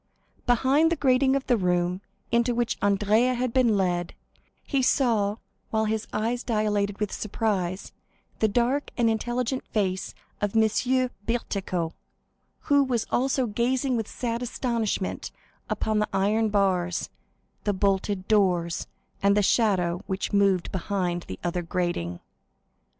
Behind the grating of the room into which Andrea had been led, he saw, while his eyes dilated with surprise, the dark and intelligent face of M. Bertuccio, who was also gazing with sad astonishment upon the iron bars, the bolted doors, and the shadow which moved behind the other grating.